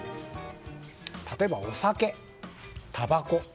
例えば、お酒、たばこ。